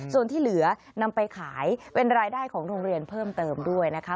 ส่วนที่เหลือนำไปขายเป็นรายได้ของโรงเรียนเพิ่มเติมด้วยนะคะ